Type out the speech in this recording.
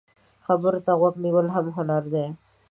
خبرو ته غوږ نیول هم هنر دی